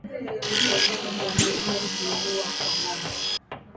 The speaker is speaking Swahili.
Uzalishaji wa maziwa hupungua kwa ngombe